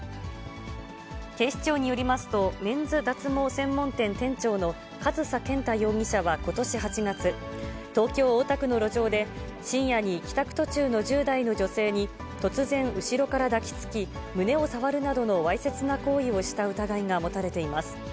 警視庁によりますと、メンズ脱毛専門店店長の上総健太容疑者はことし８月、東京・大田区の路上で、深夜に帰宅途中の１０代の女性に、突然後ろから抱きつき、胸を触るなどのわいせつな行為をした疑いが持たれています。